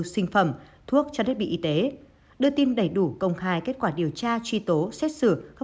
sinh phẩm thuốc cho đất bị y tế đưa tin đầy đủ công khai kết quả điều tra truy tố xét xử các